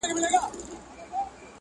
ټولنه د درد ريښه جوړوي تل,